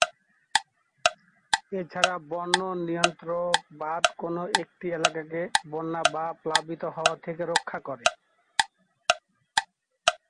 এছাড়া বন্যা নিয়ন্ত্রক বাঁধ কোন একটি এলাকাকে বন্যা বা প্লাবিত হওয়া থেকে রক্ষা করে।